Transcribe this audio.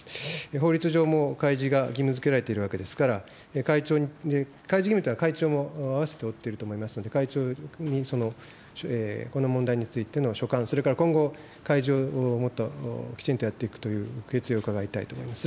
法律上も開示が義務づけられているわけですから、開示義務というのは、会長もあわせて負っていると思いますので、会長にその、この問題についての所感、それから今後、開示をもっときちんとやっていくという決意を伺いたいと思います。